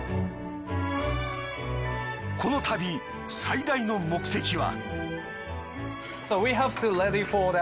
この旅最大の目的は。